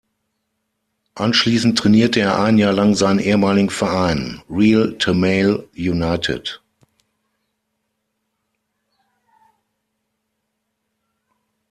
Anschließend trainierte er ein Jahr lang seinen ehemaligen Verein Real Tamale United.